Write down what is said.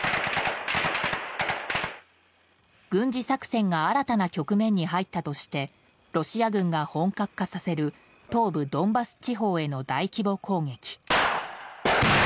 軍事作戦が新たな局面に入ったとしてロシア軍が本格化させる東部ドンバス地方への大規模攻撃。